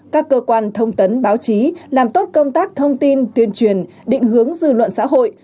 các cơ quan thông tấn báo chí làm tốt công tác thông tin tuyên truyền định hướng dư luận xã hội